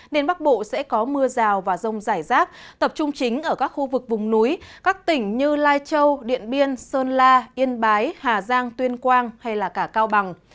nên bắc bộ sẽ có mưa rào và rông rải rác tập trung chính ở các khu vực vùng núi các tỉnh như lai châu điện biên sơn la yên bái hà giang tuyên quang hay cả cao bằng